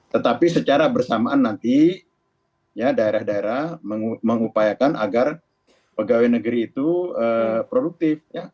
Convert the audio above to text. tetapi secara bersamaan nanti daerah daerah mengupayakan agar pegawai negeri itu produktif